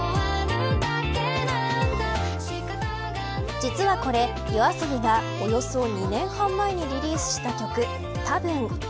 実はこれ、ＹＯＡＳＯＢＩがおよそ２年半前にリリースした曲、たぶん。